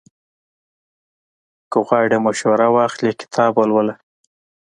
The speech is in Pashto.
که غواړې مشوره واخلې، کتاب ولوله.